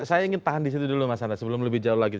saya ingin tahan di situ dulu mas anta sebelum lebih jauh lagi